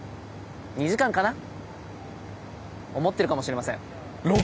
２時間かな？」思ってるかもしれません。